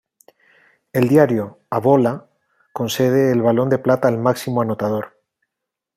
El diario "A Bola" concede el Balón de Plata al máximo anotador.